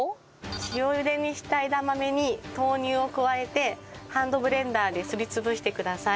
塩ゆでにした枝豆に豆乳を加えてハンドブレンダーですり潰してください。